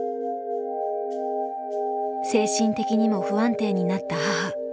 精神的にも不安定になった母。